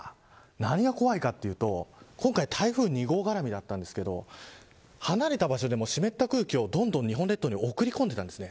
何が怖いかというと今回、台風２号絡みだったんですけど離れた場所でも湿った空気をどんどん日本列島に送り込んでいたんです。